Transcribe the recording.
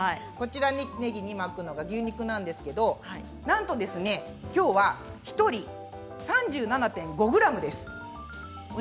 ねぎに巻くのが牛肉なんですけれども、なんと１人３７．５ｇです。